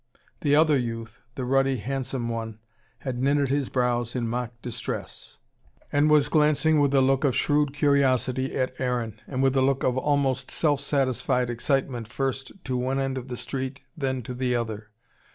The other youth, the ruddy, handsome one, had knitted his brows in mock distress, and was glancing with a look of shrewd curiosity at Aaron, and with a look of almost self satisfied excitement first to one end of the street, then to the other.